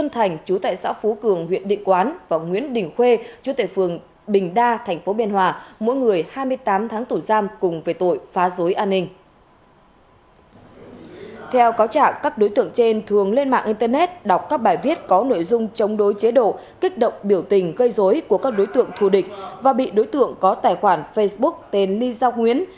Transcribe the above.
theo cáo trạng các đối tượng trên thường lên mạng internet đọc các bài viết có nội dung chống đối chế độ kích động biểu tình gây rối của các đối tượng thủ địch và bị đối tượng có tài khoản facebook tên ly giao nguyễn